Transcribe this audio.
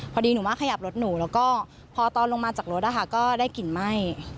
พอดีหนูมาขยับรถหนูแล้วก็พอตอนลงมาจากรถก็ได้กลิ่นไหม้